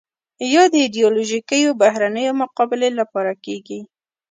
یا ایدیالوژیکو بهیرونو مقابلې لپاره کېږي